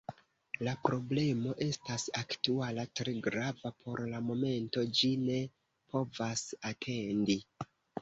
La problemo estas aktuala, tre grava por la momento, ĝi ne povas atendi.